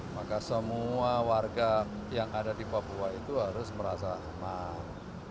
maka semua warga yang ada di papua itu harus merasa aman